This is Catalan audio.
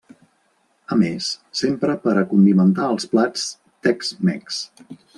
A més, s'empra per a condimentar els plats tex-mex.